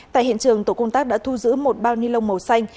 tại hiện trường tổ công tác đã thu giữ một bao nilon màu xanh